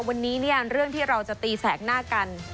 วันนี้เนี่ยเรื่องที่เราจะตีแสกหน้ากัน